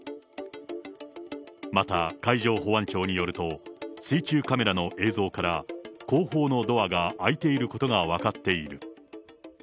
また海上保安庁によると、水中カメラの映像から、後方のドアが開いていることが分かっている。